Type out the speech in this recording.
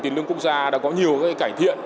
tiền lương quốc gia đã có nhiều cải thiện